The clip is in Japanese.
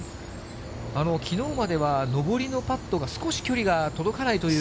きのうまでは上りのパットが、少し距離が届かないという。